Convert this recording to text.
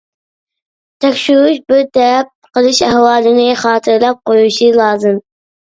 تەكشۈرۈش، بىر تەرەپ قىلىش ئەھۋالىنى خاتىرىلەپ قويۇشى لازىم.